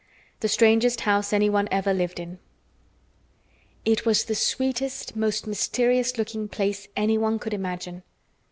THE STRANGEST HOUSE ANYONE EVER LIVED IN It was the sweetest, most mysterious looking place anyone could imagine.